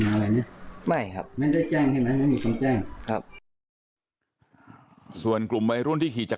ไม่ได้แจ้งเห็นไหมไม่มีความแจ้ง